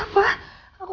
kamu gak usah sok peduli